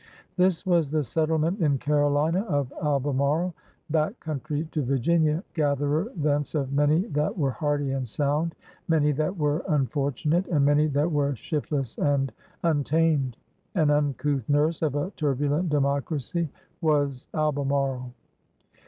This was the settlement in Carolina of Albemarle, back country to Virginia, gatherer thence of many that were hardy and sound, many that were unfor tunate, and many that were shiftless and untamed. An uncouth nurse of a turbulent democracy was Albemarle.